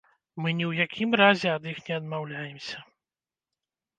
Мы ні ў якім разе ад іх не адмаўляемся.